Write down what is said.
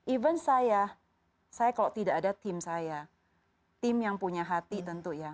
even saya saya kalau tidak ada tim saya tim yang punya hati tentu ya